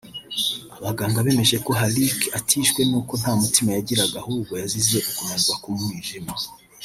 Abaganga bemeje ko Halik atishwe n’uko nta mutima yagiraga ahubwo yazize ukunanirwa kw’umwijima